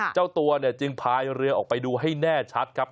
เจ้าตัวเนี่ยจึงพายเรือออกไปดูให้แน่ชัดครับ